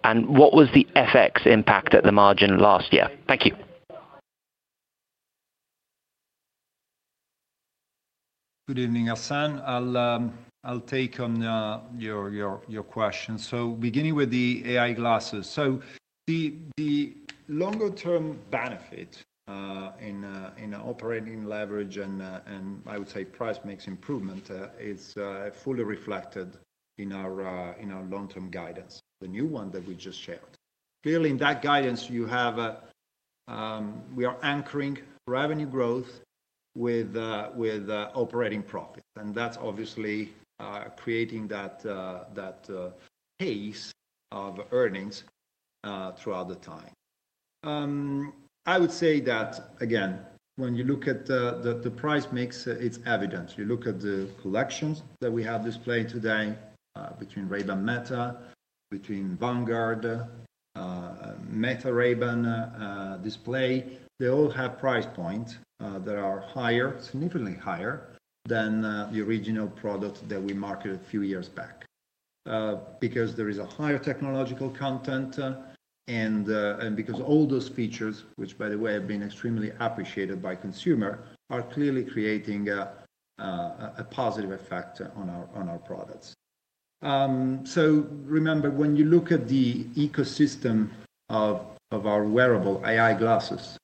and what was the FX impact at the margin last year? Thank you. Good evening, Hassan. I'll take on your question. So beginning with the AI glasses. So the longer term benefit in operating leverage and I would say price mix improvement is fully reflected in our long-term guidance, the new one that we just shared. Clearly, in that guidance, you have we are anchoring revenue growth with operating profit, and that's obviously creating that pace of earnings throughout the time. I would say that again, when you look at the price mix, it's evident. You look at the collections that we have displayed today, between Ray-Ban Meta, between Vanguard, Meta Ray-Ban Display, they all have price points that are higher, significantly higher, than the original product that we marketed a few years back. Because there is a higher technological content, and because all those features, which by the way have been extremely appreciated by consumer, are clearly creating a positive effect on our products. So remember, when you look at the ecosystem of our wearable AI glasses,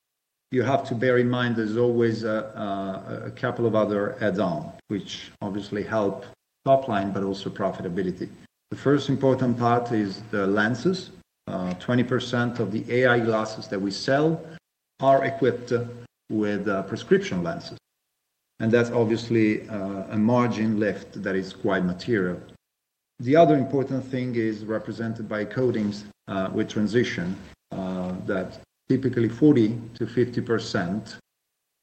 you have to bear in mind there's always a couple of other add-on, which obviously help top line, but also profitability. The first important part is the lenses. 20% of the AI glasses that we sell are equipped with prescription lenses, and that's obviously a margin lift that is quite material. The other important thing is represented by coatings with Transitions that typically 40%-50%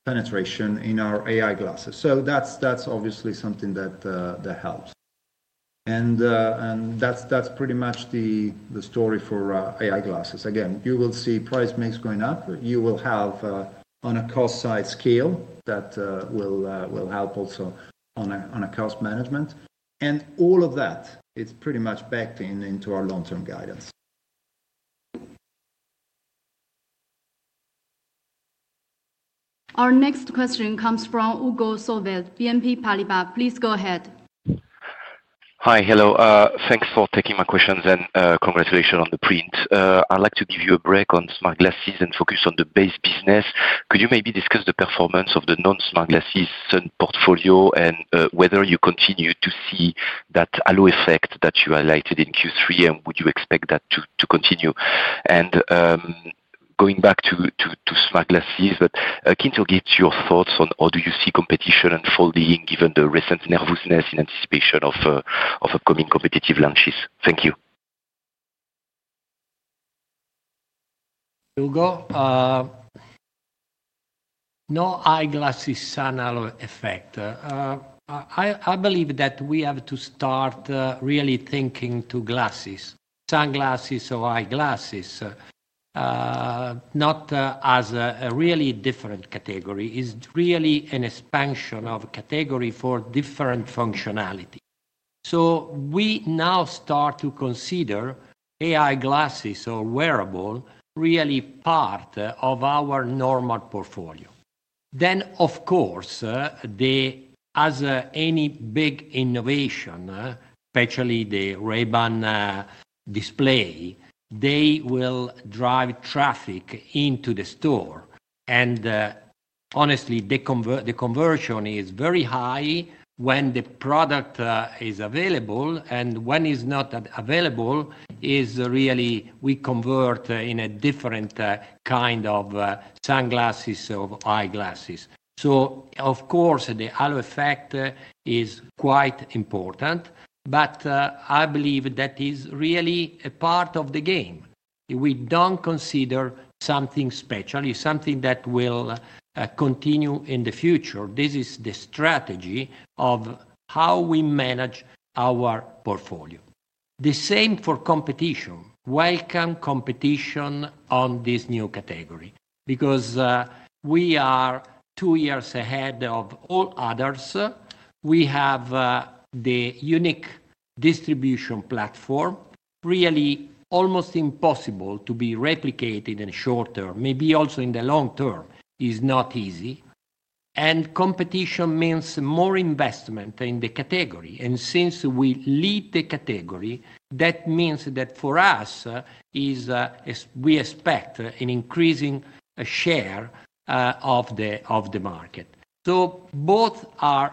penetration in our AI glasses. So that's obviously something that helps. And that's pretty much the story for AI glasses. Again, you will see price mix going up. You will have on a cost side scale that will help also on a cost management. And all of that is pretty much backed into our long-term guidance. Our next question comes from Hugo Sauvelle, BNP Paribas. Please go ahead. Hi. Hello. Thanks for taking my questions, and congratulations on the print. I'd like to give you a break on smart glasses and focus on the base business. Could you maybe discuss the performance of the non-smart glasses portfolio, and whether you continue to see that halo effect that you highlighted in Q3, and would you expect that to continue? And- ...Going back to smart glasses, but I'm keen to get your thoughts on how do you see competition unfolding, given the recent nervousness in anticipation of upcoming competitive launches? Thank you. Hugo, no eyeglasses halo effect. I believe that we have to start really thinking to glasses, sunglasses or eyeglasses, not as a really different category. It's really an expansion of category for different functionality. So we now start to consider AI glasses or wearable really part of our normal portfolio. Then, of course, as any big innovation, especially the Ray-Ban display, they will drive traffic into the store. And, honestly, the conversion is very high when the product is available, and when it's not available, is really we convert in a different kind of sunglasses or eyeglasses. So of course, the halo effect is quite important, but I believe that is really a part of the game. We don't consider something special. It's something that will continue in the future. This is the strategy of how we manage our portfolio. The same for competition. Welcome competition on this new category, because we are two years ahead of all others. We have the unique distribution platform, really almost impossible to be replicated in the short term. Maybe also in the long term, is not easy. And competition means more investment in the category, and since we lead the category, that means that for us, is we expect an increasing share of the market. So both are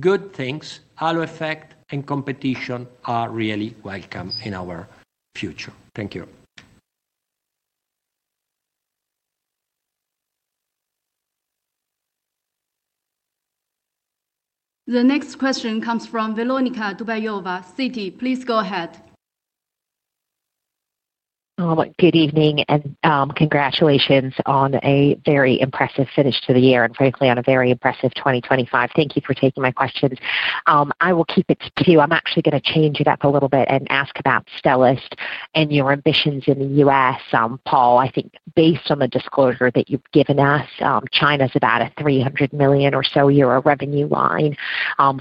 good things. Halo effect and competition are really welcome in our future. Thank you. The next question comes from Veronika Dubajova, Citi. Please go ahead. Good evening and, congratulations on a very impressive finish to the year and frankly, on a very impressive 2025. Thank you for taking my questions. I will keep it to you. I'm actually gonna change it up a little bit and ask about Stellest and your ambitions in the U.S. Paul, I think based on the disclosure that you've given us, China's about a 300 million or so year revenue line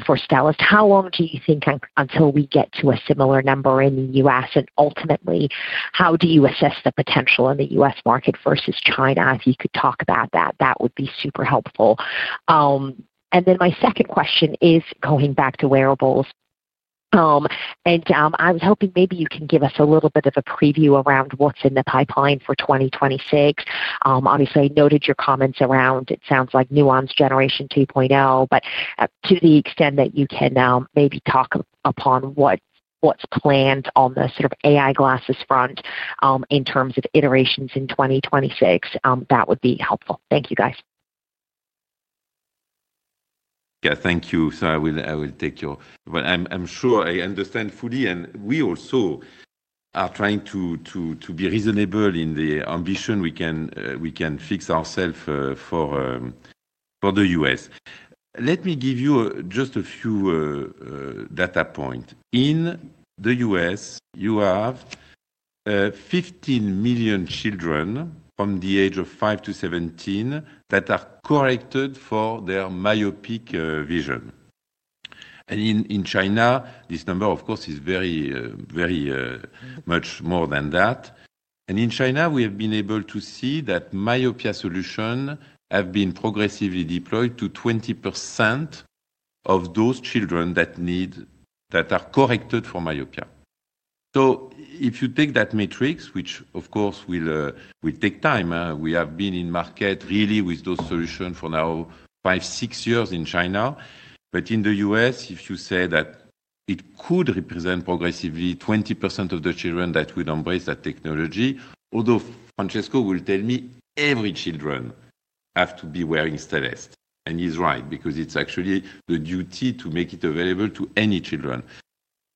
for Stellest. How long do you think until we get to a similar number in the U.S., and ultimately, how do you assess the potential in the U.S. market versus China? If you could talk about that, that would be super helpful. And then my second question is going back to wearables. I was hoping maybe you can give us a little bit of a preview around what's in the pipeline for 2026. Obviously, I noted your comments around it, sounds like Nuance Generation 2.0, but to the extent that you can, maybe talk upon what, what's planned on the sort of AI glasses front, in terms of iterations in 2026, that would be helpful. Thank you, guys. Yeah, thank you. So I will take your... But I'm sure I understand fully, and we also are trying to be reasonable in the ambition we can fix ourself for the US. Let me give you just a few data point. In the US, you have 15 million children from the age of 5 to 17 that are corrected for their myopic vision. And in China, this number of course is very much more than that. And in China, we have been able to see that myopia solution have been progressively deployed to 20% of those children that need, that are corrected for myopia. So if you take that matrix, which of course will, will take time, we have been in market really with those solutions for now, 5-6 years in China. But in the U.S., if you say that it could represent progressively 20% of the children that would embrace that technology, although Francesco will tell me, every children have to be wearing Stellest, and he's right, because it's actually the duty to make it available to any children.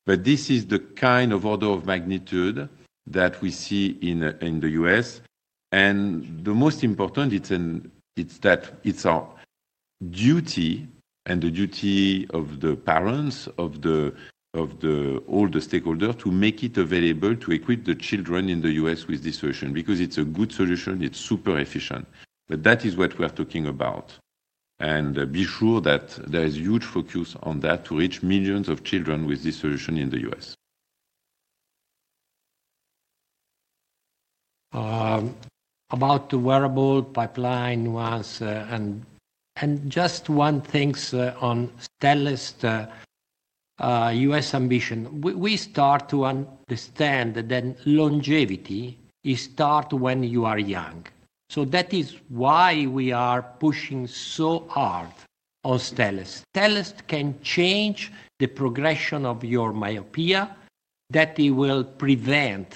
But this is the kind of order of magnitude that we see in, in the U.S., and the most important, it's in, it's that it's our duty and the duty of the parents, of the, of the all the stakeholder, to make it available to equip the children in the U.S. with this solution, because it's a good solution, it's super efficient. That is what we are talking about. Be sure that there is huge focus on that to reach millions of children with this solution in the U.S. About the wearable pipeline once, and just one thing on Stellest U.S. ambition. We start to understand that longevity is start when you are young. So that is why we are pushing so hard on Stellest. Stellest can change the progression of your myopia—that it will prevent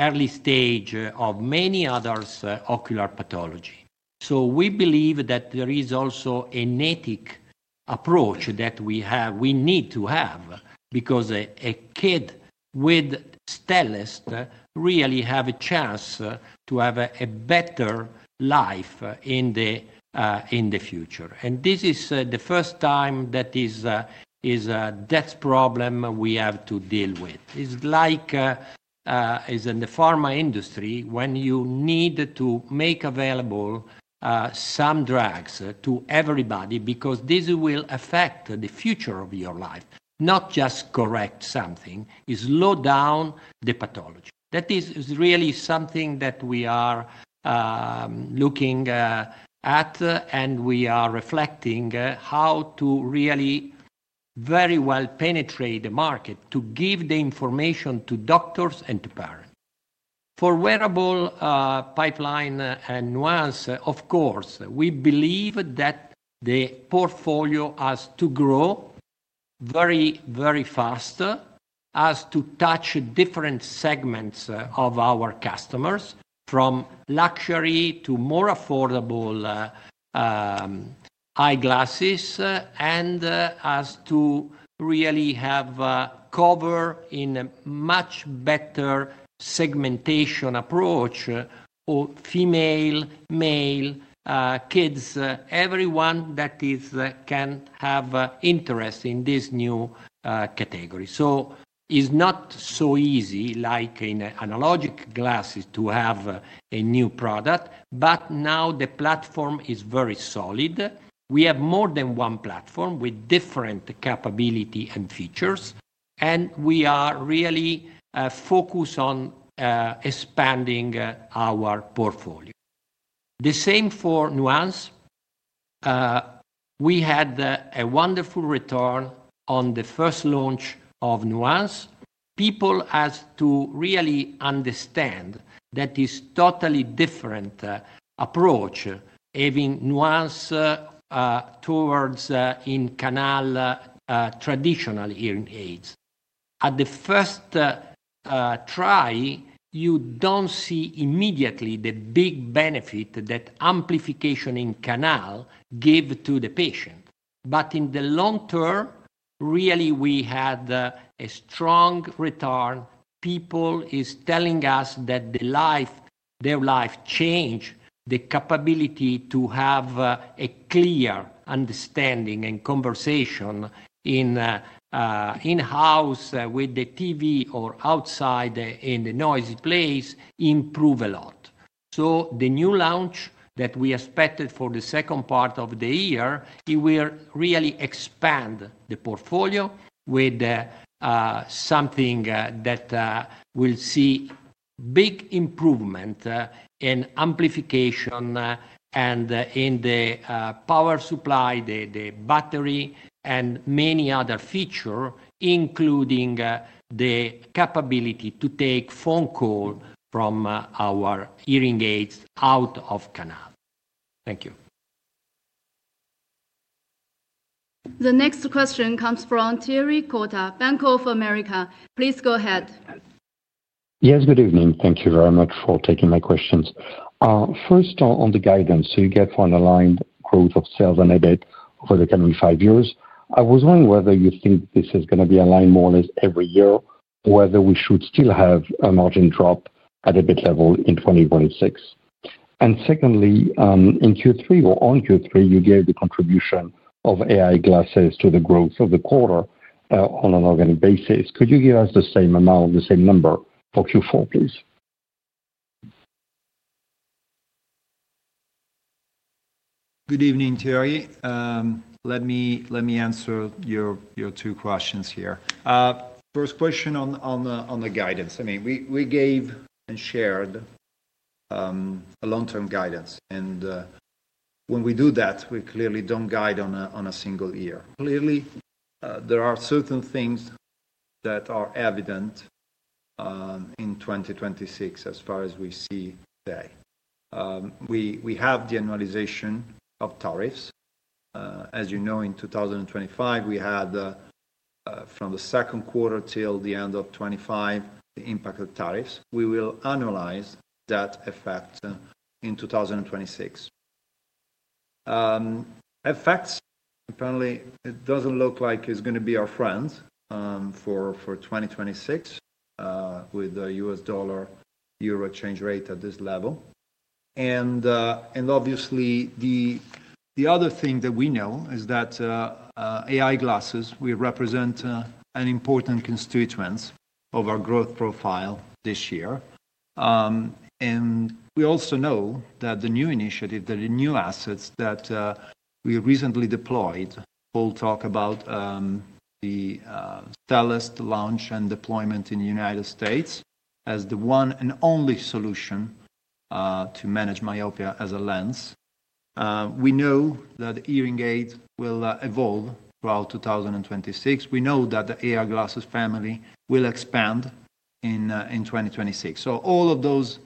early stage of many others ocular pathology. So we believe that there is also an ethic approach that we have, we need to have, because a kid with Stellest really have a chance to have a better life in the future. And this is the first time that is that problem we have to deal with. It's like in the pharma industry, when you need to make available some drugs to everybody because this will affect the future of your life, not just correct something, slow down the pathology. That is really something that we are looking at, and we are reflecting how to really very well penetrate the market to give the information to doctors and to parents. For wearable pipeline and Nuance, of course, we believe that the portfolio has to grow very, very faster, has to touch different segments of our customers, from luxury to more affordable eyeglasses, and has to really have cover in a much better segmentation approach for female, male, kids, everyone that can have interest in this new category. So it's not so easy like in analog glasses to have a new product, but now the platform is very solid. We have more than one platform with different capability and features, and we are really focused on expanding our portfolio. The same for Nuance. We had a wonderful return on the first launch of Nuance. People has to really understand that is totally different approach, having Nuance towards in canal traditional hearing aids. At the first try, you don't see immediately the big benefit that amplification in canal gave to the patient. But in the long term, really, we had a strong return. People is telling us that the life, their life change, the capability to have a clear understanding and conversation in house with the TV or outside in the noisy place improve a lot. So the new launch that we expected for the second part of the year, it will really expand the portfolio with something that will see big improvement in amplification and in the power supply, the battery, and many other feature, including the capability to take phone call from our hearing aids out of canal. Thank you. The next question comes from Thierry Cota, Bank of America. Please go ahead. Yes, good evening. Thank you very much for taking my questions. First, on, on the guidance you get for an aligned growth of sales and EBIT for the coming five years, I was wondering whether you think this is going to be aligned more or less every year, or whether we should still have a margin drop at EBIT level in 2026. And secondly, in Q3 or on Q3, you gave the contribution of AI glasses to the growth of the quarter, on an organic basis. Could you give us the same amount or the same number for Q4, please? Good evening, Thierry. Let me answer your two questions here. First question on the guidance. I mean, we gave and shared a long-term guidance, and when we do that, we clearly don't guide on a single year. Clearly, there are certain things that are evident in 2026 as far as we see today. We have the annualization of tariffs. As you know, in 2025, we had from the second quarter till the end of 2025, the impact of tariffs. We will annualize that effect in 2026. FX, apparently, it doesn't look like it's going to be our friends for 2026 with the US dollar euro exchange rate at this level. Obviously, the other thing that we know is that AI glasses will represent an important constituents of our growth profile this year. We also know that the new initiative, the new assets that we recently deployed, Paul talk about, the Stellest launch and deployment in the United States as the one and only solution to manage myopia as a lens. We know that hearing aid will evolve throughout 2026. We know that the AI glasses family will expand in 2026. So all of those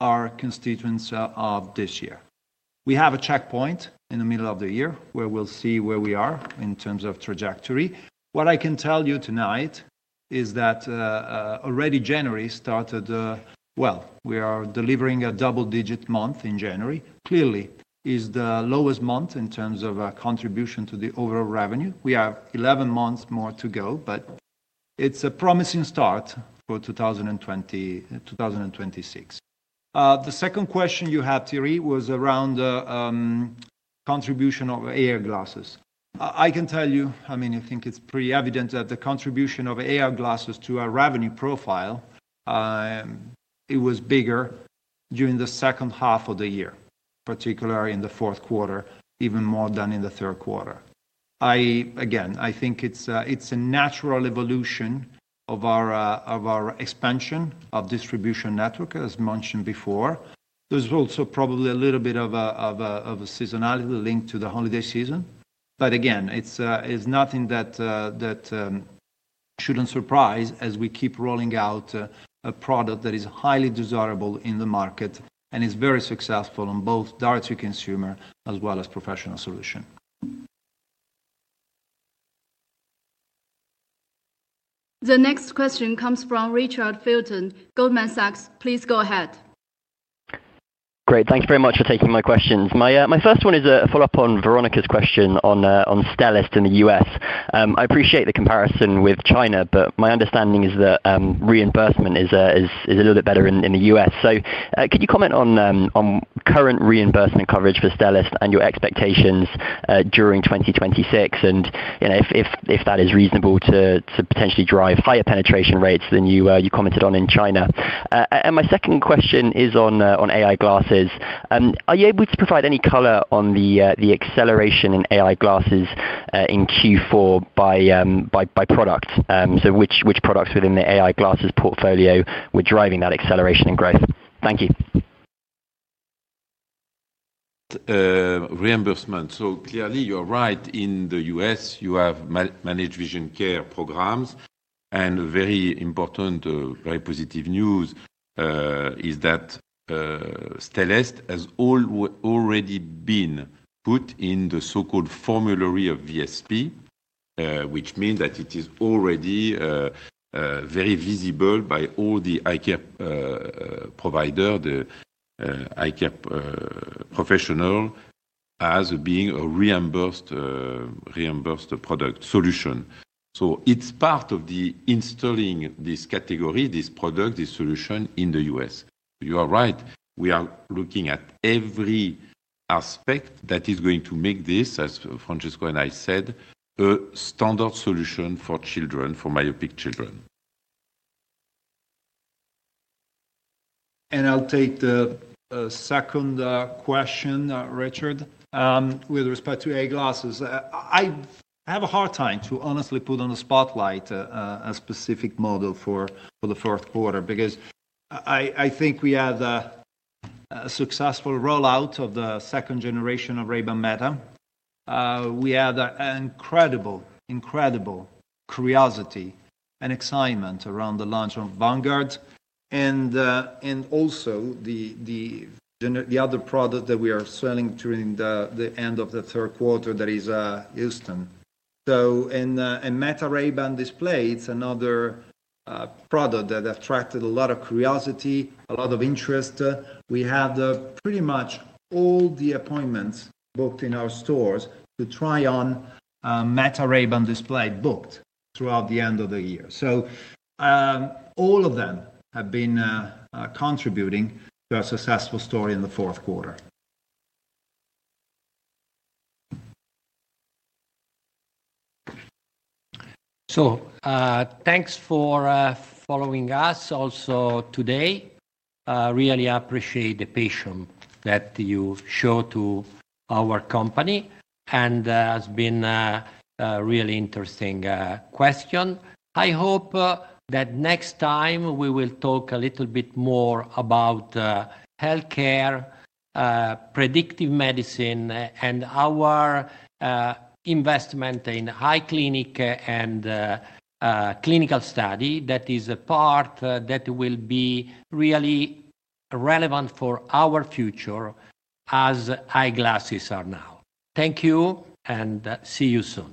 are constituents of this year.... We have a checkpoint in the middle of the year, where we'll see where we are in terms of trajectory. What I can tell you tonight is that, already January started, well. We are delivering a double-digit month in January. Clearly, is the lowest month in terms of contribution to the overall revenue. We have 11 months more to go, but it's a promising start for 2025, 2026. The second question you had, Thierry, was around the contribution of AR glasses. I can tell you, I mean, I think it's pretty evident that the contribution of AR glasses to our revenue profile, it was bigger during the second half of the year, particularly in the fourth quarter, even more than in the third quarter. Again, I think it's a natural evolution of our expansion of distribution network. As mentioned before, there's also probably a little bit of a seasonality linked to the holiday season, but again, it's nothing that shouldn't surprise as we keep rolling out a product that is highly desirable in the market and is very successful on both direct to consumer as well as professional solution. The next question comes from Richard Felton, Goldman Sachs. Please go ahead. Great. Thank you very much for taking my questions. My first one is a follow-up on Veronika's question on Stellest in the U.S. I appreciate the comparison with China, but my understanding is that reimbursement is a little bit better in the U.S. So, could you comment on current reimbursement coverage for Stellest and your expectations during 2026? And, you know, if that is reasonable to potentially drive higher penetration rates than you commented on in China. And my second question is on AI glasses. Are you able to provide any color on the acceleration in AI glasses in Q4 by product? So which products within the AI glasses portfolio were driving that acceleration and growth? Thank you. Reimbursement. So clearly, you're right. In the U.S., you have Managed Vision Care programs, and very important, very positive news is that, Stellest has already been put in the so-called formulary of VSP, which means that it is already, very visible by all the ICAP, provider, the, ICAP, professional, as being a reimbursed, reimbursed product solution. So it's part of the installing this category, this product, this solution in the U.S. You are right, we are looking at every aspect that is going to make this, as Francesco and I said, a standard solution for children, for myopic children. And I'll take the second question, Richard. With respect to AI glasses, I have a hard time to honestly put on the spotlight a specific model for the fourth quarter, because I think we had a successful rollout of the second generation of Ray-Ban Meta. We had an incredible curiosity and excitement around the launch of Vanguard and also the other product that we are selling during the end of the third quarter, that is, Houston. And Meta Ray-Ban Display, it's another product that attracted a lot of curiosity, a lot of interest. We had pretty much all the appointments booked in our stores to try on Meta Ray-Ban Display booked throughout the end of the year. So, all of them have been contributing to a successful story in the fourth quarter. So, thanks for following us also today. Really appreciate the passion that you show to our company, and has been a really interesting question. I hope that next time we will talk a little bit more about healthcare, predictive medicine, and our investment in eye clinic and clinical study. That is a part that will be really relevant for our future as eyeglasses are now. Thank you, and see you soon.